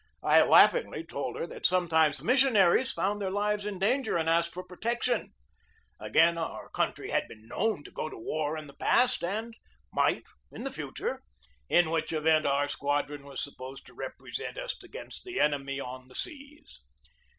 I laughingly told her that sometimes missionaries found their lives in danger and asked for protection; again, our country had been known to go to war in the past and might in the future, in which event our squad 176 GEORGE DEWEY ron was supposed to represent us against the enemy on the seas.